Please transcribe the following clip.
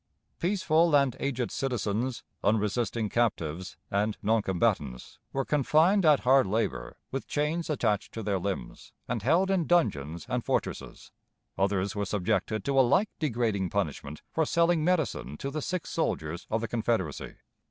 Peaceful and aged citizens, unresisting captives, and noncombatants, were confined at hard labor with chains attached to their limbs, and held in dungeons and fortresses; others were subjected to a like degrading punishment for selling medicine to the sick soldiers of the Confederacy.